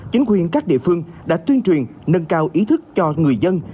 chính quyền các địa phương đã tuyên truyền nâng cao ý thức cho người dân